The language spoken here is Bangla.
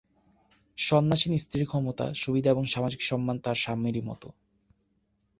সন্ন্যাসিনী স্ত্রীর ক্ষমতা, সুবিধা এবং সামাজিক সম্মান তাঁহার স্বামীরই মত।